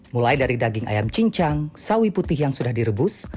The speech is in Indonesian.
mulai dari daging ayam cincang sawi putih yang sudah direbus